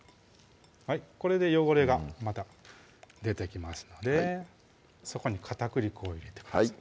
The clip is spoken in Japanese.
これで汚れがまた出てきますのでそこに片栗粉を入れてください